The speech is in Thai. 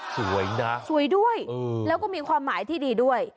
สวยนะสวยด้วยแล้วก็มีความหมายที่ดีด้วย